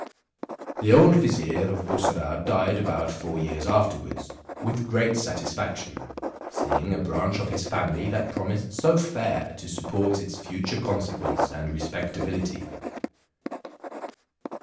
The old vizier of Bussorah died about four years afterwards with great satisfaction, seeing a. branch of his family that promised so fair to support its future consequence and respectability.